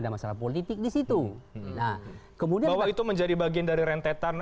bahwa itu menjadi bagian dari rentetan